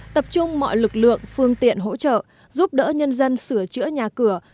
tập trung mọi lực lượng phương tiện hỗ trợ giúp đỡ nhân dân sửa chữa nhà cửa